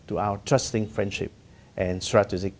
ởindexing cho khách hàng c